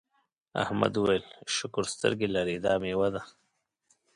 احمد وویل شکر سترګې لرې او دا میوه ده.